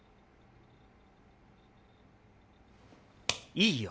いいよ。